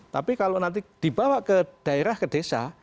tapi kalau nanti dibawa ke daerah ke desa